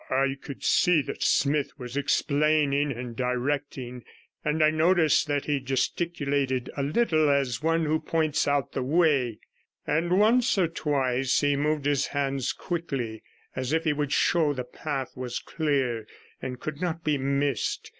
I could see that Smith was explaining and directing, and I noticed that he gesticulated a little as one who points out the way, and once or twice he moved his hands quickly as if he would show that the path was clear and could not be missed.